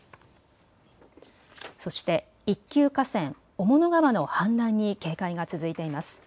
そして一級河川、雄物川の氾濫に警戒が続いています。